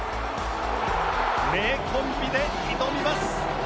名コンビで挑みます。